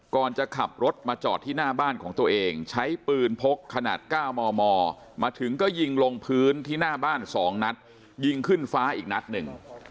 ก่อนจะขับรถมาจอดที่หน้าบ้านของตัวเองใช้ปืนพกขนาด๙มมมาถึงก็ยิงลงพื้นที่หน้าบ้าน๒นัดยิงขึ้นฟ้าอีกนัดหนึ่ง